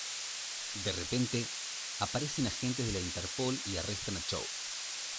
De repente, aparecen agentes de la Interpol y arrestan a Chow.